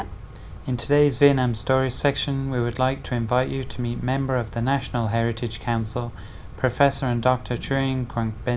trong tiểu mục chuyện việt nam ngày hôm nay chúng tôi xin giới thiệu từ quý vị khán giả giáo sư tiến sĩ trương quốc bình